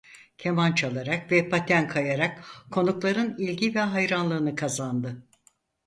Keman çalarak ve paten kayarak konukların ilgi ve hayranlığını kazandı.